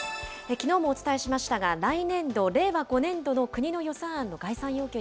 きのうもお伝えしましたが、来年度・令和５年度の国の予算案の概